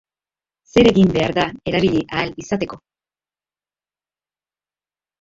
Zer egin behar da erabili ahal izateko?